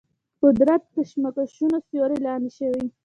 قدرت کشمکشونو سیوري لاندې شوي.